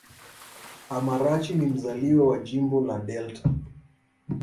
Amarachi ni mzaliwa wa Jimbo la Delta.